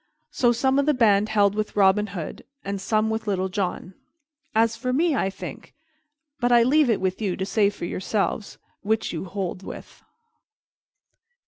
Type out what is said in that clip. So some of the band held with Robin Hood and some with Little John. As for me, I think But I leave it with you to say for yourselves which you hold with.